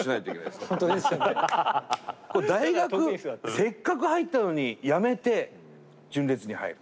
せっかく入ったのにやめて純烈に入る。